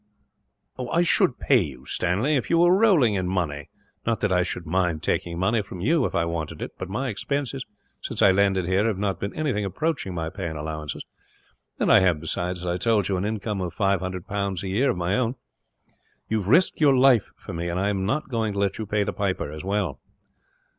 "I should pay you, Stanley, if you were rolling in money. Not that I should mind taking money from you, if I wanted it, but my expenses since I landed here have not been anything approaching my pay and allowances; and I have besides, as I told you, an income of 500 pounds a year of my own. You have risked your life for me, and I am not going to let you pay the piper, as well."